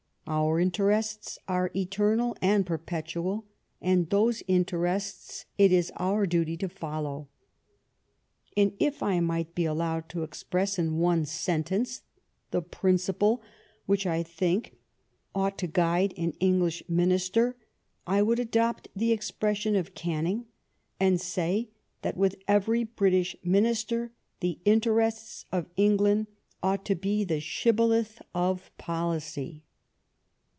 Our interests are eternal and perpetual, and those interests it is our duty to follow. And if I might be allowed to express in one sentence the principle which I think ought to guide an English minister, I would adopt the expression of Canning, and say that with every British minister the interests of England ought to be the shibboleth of policy.